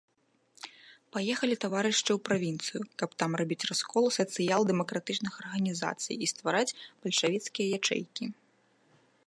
Паехалі таварышы ў правінцыю, каб там рабіць раскол сацыял-дэмакратычных арганізацый і ствараць бальшавіцкія ячэйкі.